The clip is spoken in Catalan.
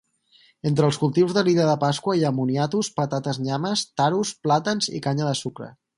Entre els cultius de l'illa de Pasqua hi ha moniatos, patates nyames, taros, plàtans i canya de sucre.